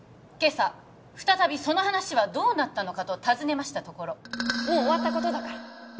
今朝再び「その話はどうなったのか」と尋ねましたところもう終わったことだから